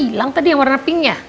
hilang tadi yang warna pinknya